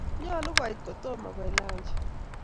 nyaluu koit kutomaa koit lunchi